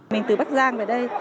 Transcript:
mình từ bắc giang về đây